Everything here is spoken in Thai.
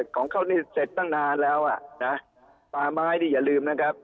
ของเขานี่เสร็จตั้งนานแล้วอ่ะนะป่าไม้นี่อย่าลืมนะครับ